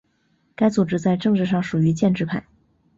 该组织在政治上属于建制派。